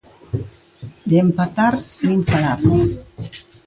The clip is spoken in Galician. De empatar, nin falar.